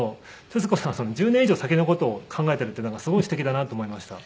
徹子さんは１０年以上先の事を考えてるっていうのがすごいすてきだなと思いました。